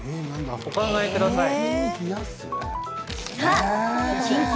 お考えください。